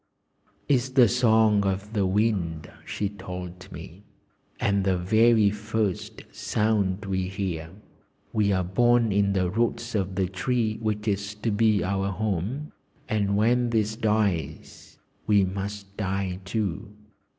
"It's the song of the wind," she told me, "and the very first sound we hear. We are born in the roots of the tree which is to be our home, and when this dies, we must die too.